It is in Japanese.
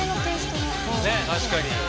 確かに。